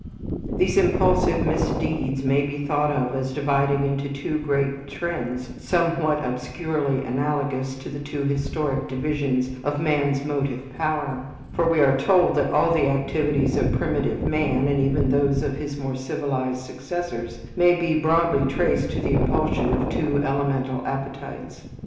These impulsive misdeeds may be thought of as dividing into two great trends somewhat obscurely analogous to the two historic divisions of man's motive power, for we are told that all the activities of primitive man and even those of his more civilized successors may be broadly traced to the impulsion of two elemental appetites.